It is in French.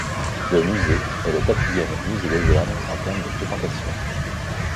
Le musée est le quatrième musée d'Auvergne en termes de fréquentation.